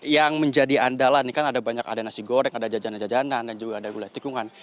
yang menjadi andalan ini kan ada banyak ada nasi goreng ada jajanan jajanan dan juga ada gulai tikungan